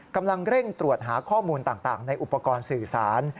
กำลังเร่งตรวจหาข้อมูลต่างในอุปกรณ์สื่อสาร